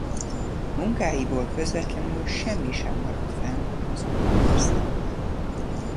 Munkáiból közvetlenül semmi sem maradt fenn az utókor számára.